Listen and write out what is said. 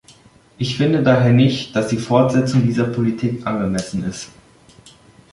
Ich finde daher nicht, dass die Fortsetzung dieser Politik angemessen ist.